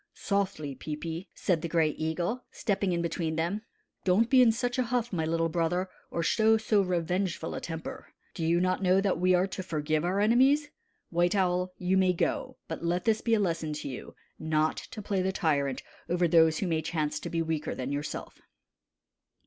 "Softly, Peepi," said the Gray Eagle, stepping in between them. "Don't be in such a huff, my little brother, or show so revengeful a temper. Do you not know that we are to forgive our enemies? White Owl, you may go; but let this be a lesson to you, not to play the tyrant over those who may chance to be weaker than yourself."